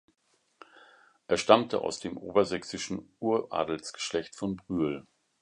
Er stammte aus dem obersächsischen Uradelsgeschlecht von Brühl.